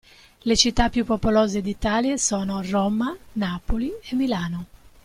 Le città più popolose d'Italia sono Roma, Napoli e Milano.